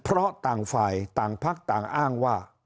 เพราะต่างฝ่ายต่างพักต่างอ้างว่า